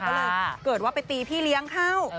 ก็เลยเกิดว่าไปตีพี่เลี้ยงเข้า